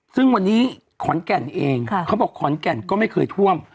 ซึ่งวันนี้ขอนแก่นเองเขาบอกขอนแก่นก็ไม่เคยท่วม